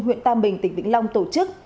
huyện tam bình tỉnh vĩnh long tổ chức